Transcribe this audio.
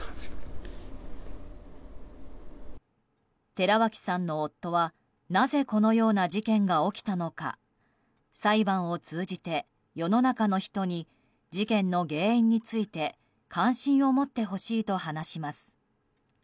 寺脇さんの夫はなぜこのような事件が起きたのか裁判を通じて世の中の人に事件の原因について関心を持ってほしいと話します。